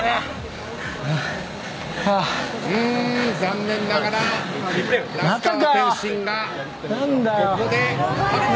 残念ながら、那須川天心がここで確保。